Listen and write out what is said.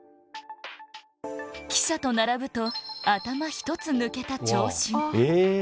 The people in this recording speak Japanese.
記者と並ぶと頭一つ抜けた長身。